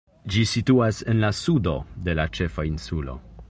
Ĝi situas en la sudo de la ĉefa insulo.